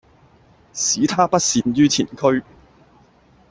使他不憚于前驅。